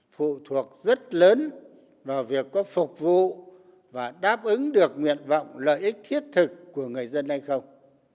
phụ thuộc rất lớn vào việc có phục vụ và đáp ứng được nguyện vọng lợi ích thiết thực của người dân hay không